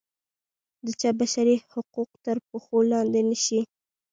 د چا بشري حقوق تر پښو لاندې نه شي.